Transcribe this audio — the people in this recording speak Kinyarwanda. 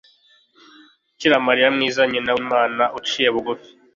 Bikira Mariya mwiza nyina w'Imana uciye bugufi